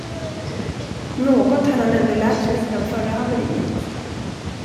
Något hade han ändå lärt sig sedan förra haveriet.